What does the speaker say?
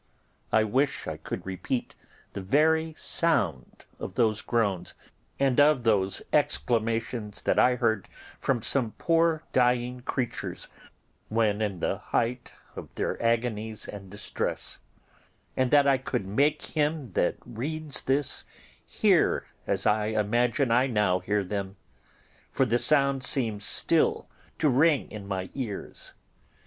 I wish I could repeat the very sound of those groans and of those exclamations that I heard from some poor dying creatures when in the height of their agonies and distress, and that I could make him that reads this hear, as I imagine I now hear them, for the sound seems still to ring in my ears.